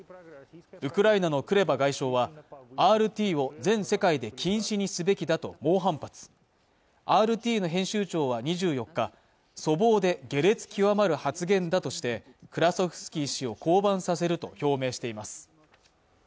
ウクライナのクレバ外相はＲＴを全世界で禁止にすべきだと猛反発ＲＴの編集長は２４日粗暴で下劣極まる発言だとしてクラソフスキー氏を降板させると表明しています